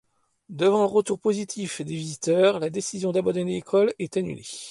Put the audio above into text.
Devant les retours positifs des visiteurs, la décision d'abandonner l'école est annulée.